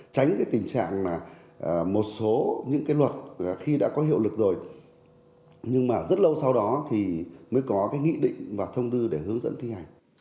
tránh tình trạng một số luật khi đã có hiệu lực rồi nhưng mà rất lâu sau đó mới có nghĩ định và thông tư để hướng dẫn thi hành